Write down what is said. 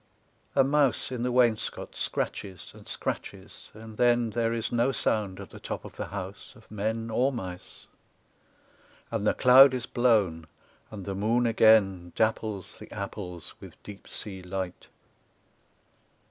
A mouse in the wainscot scratches, and scratches, and then There is no sound at the top of the house of men Or mice ; and the cloud is blown, and the moon again Dapples the apples with deep sea light.